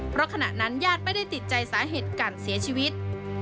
เพราะขณะนั้นญาติไม่ได้ติดใจสาเหตุการเสียชีวิต